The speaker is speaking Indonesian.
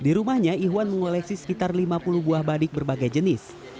di rumahnya ihwan mengoleksi sekitar lima puluh buah badik berbagai jenis